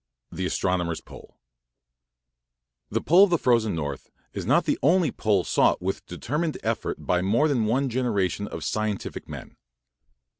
THE ASTRONOMER'S POLE The pole of the frozen North is not the only pole sought with determined effort by more than one generation of scientific men.